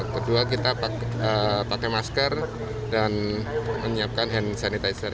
kedua kita pakai masker dan menyiapkan hand sanitizer